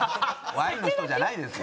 ワインの人じゃないですよ。